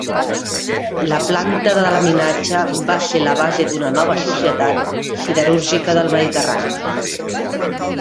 La planta de laminatge va ser la base d'una nova societat, Siderúrgica del Mediterrani.